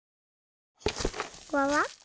わわっ？